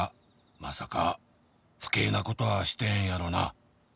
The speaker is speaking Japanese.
「まさか不敬なことはしてえんやろな」